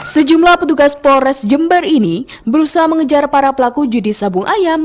sejumlah petugas polres jember ini berusaha mengejar para pelaku judi sabung ayam